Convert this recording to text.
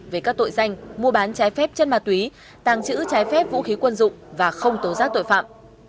về các tội danh mua bán trái phép chân ma túy tàng trữ trái phép vũ khí quân dụng và không tố giác tội phạm